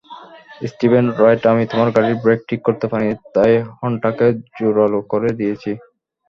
Steven রাইটআমি তোমার গাড়ির ব্রেক ঠিক করতে পারিনি, তাই হর্নটাকে জোরালো করে দিয়েছি।